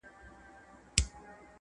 که پتنګ یې معسوقه شمع شیدا وي,